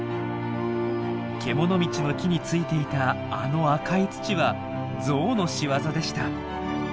けもの道の木についていたあの赤い土はゾウのしわざでした！